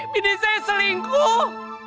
bini saya selingkuh